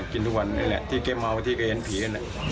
กินทุกวันนี้แหละที่แกเมาที่แกเห็นผีกัน